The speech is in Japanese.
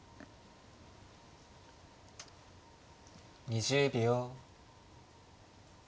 ２０秒。